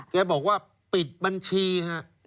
แกบอกว่าปิดบัญชีฮะ